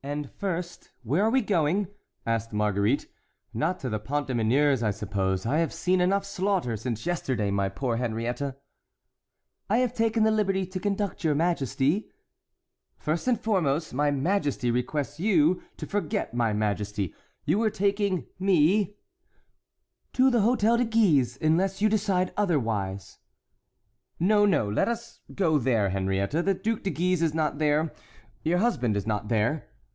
"And, first, where are we going?" asked Marguerite; "not to the Pont des Meuniers, I suppose,—I have seen enough slaughter since yesterday, my poor Henriette." "I have taken the liberty to conduct your majesty"— "First and foremost, my majesty requests you to forget my majesty—you were taking me"— "To the Hôtel de Guise, unless you decide otherwise." "No, no, let us go there, Henriette; the Duc de Guise is not there, your husband is not there."